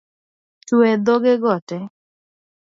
Twe dhoge go tee